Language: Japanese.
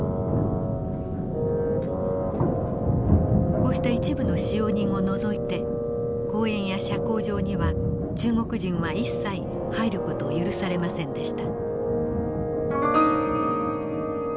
こうした一部の使用人を除いて公園や社交場には中国人は一切入る事を許されませんでした。